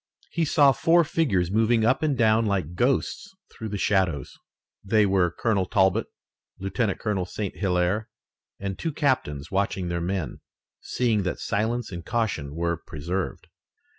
He saw four figures moving up and down like ghosts through the shadows. They were Colonel Talbot, Lieutenant Colonel St. Hilaire, and two captains watching their men, seeing that silence and caution were preserved.